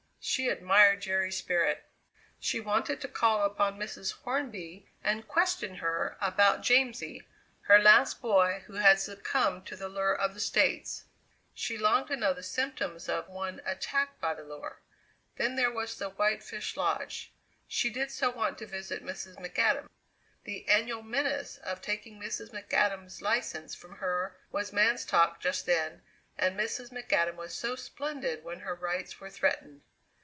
She admired Jerry's spirit! She wanted to call upon Mrs. Hornby and question her about Jamsie, her last boy, who had succumbed to the lure of the States. She longed to know the symptoms of one attacked by the lure. Then there was the White Fish Lodge she did so want to visit Mrs. McAdam. The annual menace of taking Mrs. McAdams' license from her was man's talk just then, and Mrs. McAdam was so splendid when her rights were threatened.